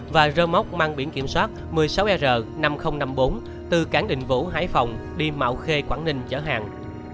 và rơ móc mang biển kiểm soát một mươi sáu r năm nghìn năm mươi bốn từ cảng đình vũ hải phòng đi mạo khê quảng ninh chở hàng